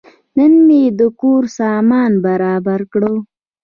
نن مې د کور سامان برابر کړ.